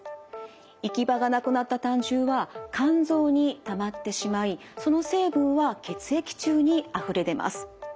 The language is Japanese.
行き場がなくなった胆汁は肝臓にたまってしまいその成分は血液中にあふれ出ます。